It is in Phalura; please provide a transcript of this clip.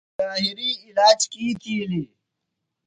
طاہری علاج کی تِھیلیۡ؟